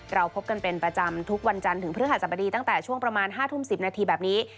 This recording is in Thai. เราพบกันเป็นประจำทุกวันจันทร์ถึงพฤหัสบดีตั้งแต่ช่วงประมาณ๕ทุ่ม๑๐นาทีแบบนี้